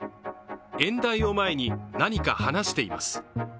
演台を前に何か話しています。